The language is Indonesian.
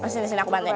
sini sini aku bantuin